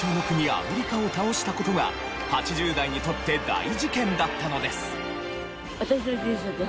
アメリカを倒した事が８０代にとって大事件だったのです。